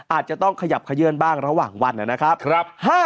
อาจจะต้องขยับขยื่นบ้างระหว่างวันนะครับ